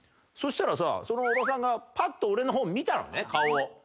そしたらさそのおばさんがパッと俺の方見たのね顔を。